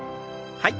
はい。